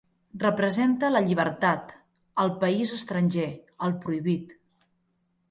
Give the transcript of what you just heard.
Representa la llibertat, el país estranger, el prohibit.